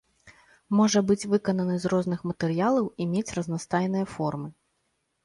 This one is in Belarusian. Можа быць выкананы з розных матэрыялаў і мець разнастайныя формы.